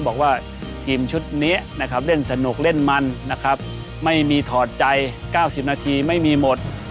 บอกว่าทีมชุดเนี้ยเล่นสนุกเล่นมันไม่มีถอดใจ๙๐นาทีไม่มีหมด